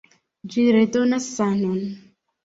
Ĝi redonas sanon!